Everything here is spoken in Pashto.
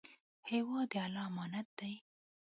هېواد د الله امانت دی.